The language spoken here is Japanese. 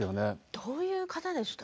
どういう方でした？